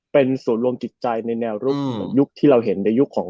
เป็นส่วนรวมจิตใจในแนวรุกยุคที่เราเห็นในยุคของ